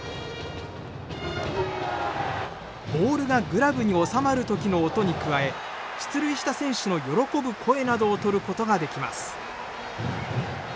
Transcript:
ボールがグラブに収まる時の音に加え出塁した選手の喜ぶ声などをとることができます。